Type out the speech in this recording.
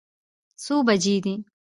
څو بجې دي.